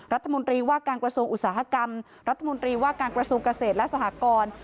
รัฐมนตรีว่าการกระทรวงอุตสาหกรรมรัฐมนตรีว่าการกระทรวงเกษตรและสหกร